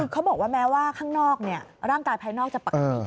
เขาบอกว่าแม้ว่าข้างนอกร่างกายภายนอกจะปกติ